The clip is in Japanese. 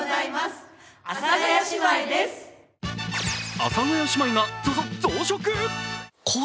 阿佐ヶ谷姉妹がぞ、ぞ、増殖！